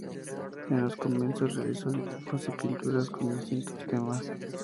En los comienzos realizó dibujos y pinturas con distintos temas.